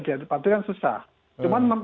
dipatuhin kan susah cuma